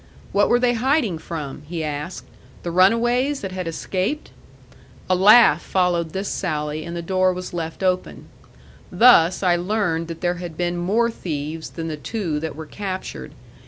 What were they hiding from? he asked. The runaways that had escaped? A laugh followed this sally, and the door was left open. Thus I learned that there had been more thieves than the two that were captured.